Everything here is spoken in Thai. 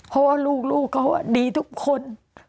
เพราะว่าลูกเขาดีทุกคน